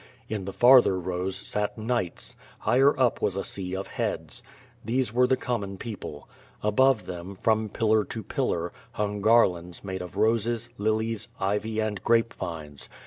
In the farther rows sat knights. Higher up was a sea of heads. These were the common peo jile. Above them, from pillar to pillar, hung garlands made of roses, lilies, ivy and grapevines.